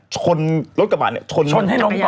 ชนรถกระบะเนี่ยชนให้ล้มก่อน